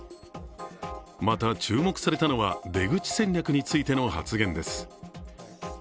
また注目されたのは出口戦略についての発言です。